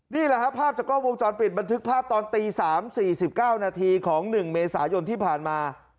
นี่แหละครับภาพจากกล้องวงจรปิดบันทึกภาพตอนตี๓๔๙นาทีของ๑เมษายนที่ผ่านมา